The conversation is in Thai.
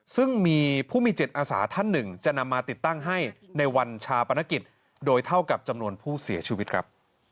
ซึ่งมีผู้มีจิตอาสาท่านหนึ่งจะนำมาติดตั้งให้ในวันชาปนกิจโดยเท่ากับจำนวนผู้เสียชีวิตครับ